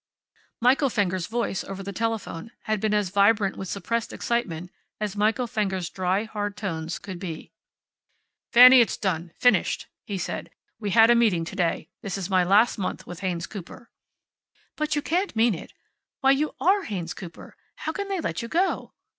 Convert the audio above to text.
Michael Fenger's voice over the telephone had been as vibrant with suppressed excitement as Michael Fenger's dry, hard tones could be. "Fanny, it's done finished," he said. "We had a meeting to day. This is my last month with Haynes Cooper." "But you can't mean it. Why, you ARE Haynes Cooper. How can they let you go?"